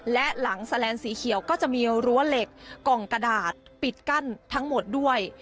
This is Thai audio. และหลังแสลนสีเขียวก็จะมีรั้วเหล็กกล่องกระดาษปิดกั้นทั้งหมดด้วย